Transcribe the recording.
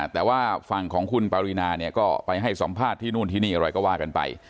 แต่ว่าฝั่งของคุณปรินาเนี่ยก็ไปให้สัมภาษณ์ที่นู่นที่นี่อะไรก็ว่ากันไป